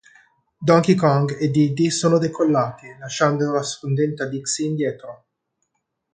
Donkey Kong e Diddy sono decollati, lasciando la scontenta Dixie indietro.